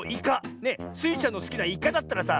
スイちゃんのすきなイカだったらさ